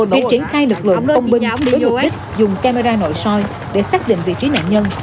việc triển khai lực lượng công binh với mục đích dùng camera nội soi để xác định vị trí nạn nhân